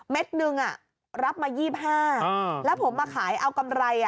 หนึ่งรับมา๒๕แล้วผมมาขายเอากำไร